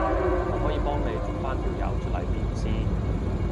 我可以幫你捉返條友出嚟鞭屍